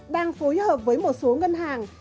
đang phối hợp với một số ngân hàng